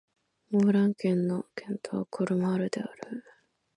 オー＝ラン県の県都はコルマールである